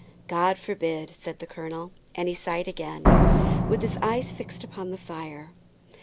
"God forbid," said the colonel, and he sighed again, with his eyes fixed upon the fire.